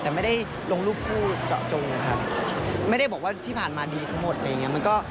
แต่ไม่ได้ลงรูปผู้เจาะจงครับไม่ได้บอกว่าที่ผ่านมาดีทั้งหมด